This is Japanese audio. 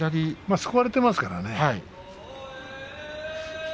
すくわれていますからね。